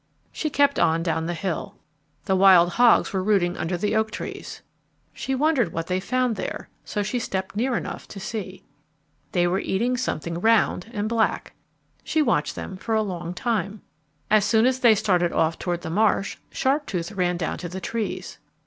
She kept on down the hill. The wild hogs were rooting under the oak trees. She wondered what they found there, so she stepped near enough to see. [Illustration: A wild hog] They were eating something round and black. She watched them for a long time. As soon as they started off toward the marsh, Sharptooth ran down to the trees.